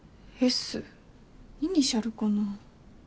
「Ｓ」イニシャルかな？